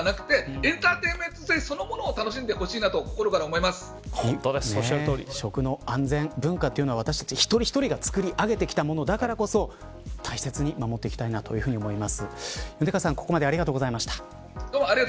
いたずら行為で楽しむのではなくてエンターテイメント性そのものを楽しんでほしいと食の安全、文化というのは私たち一人一人がつくり上げてきたものだからこそ大切に守っていきたいと思います。